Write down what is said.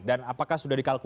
dan apakah sudah dikembangkan